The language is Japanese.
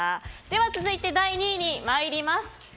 では続いて第２位に参ります。